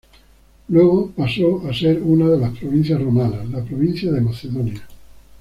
Luego paso a ser una de las provincias romanas, la provincia de Macedonia.